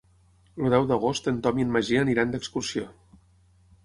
El deu d'agost en Tom i en Magí aniran d'excursió.